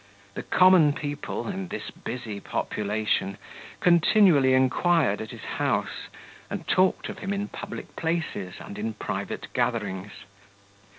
The common people and this busy population continually inquired at his house, and talked of him in public places and in private gatherings.